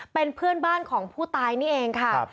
เป็นเพื่อนบ้านของผู้ตายนี่เองค่ะ